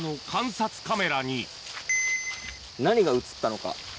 何が写ったのか。